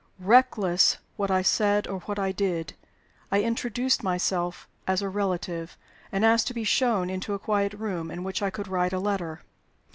Reckless what I said or what I did, I introduced myself as her relative, and asked to be shown into a quiet room in which I could write a letter.